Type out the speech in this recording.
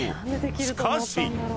しかし］